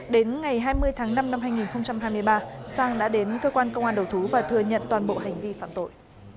đến ngày hai mươi tháng năm năm hai nghìn hai mươi ba sang đã đến cơ quan công an đầu thú và thừa nhận toàn bộ hành vi phạm tội